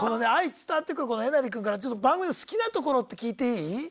伝わってくるこのえなり君から番組の好きなところって聞いていい？